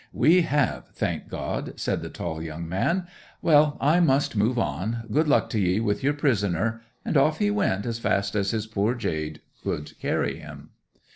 '"We have, thank God," said the tall young man. "Well, I must move on. Good luck to ye with your prisoner!" And off he went, as fast as his poor jade would carry him.